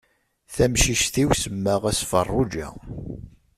Tamcict-iw semmaɣ-as Farruǧa.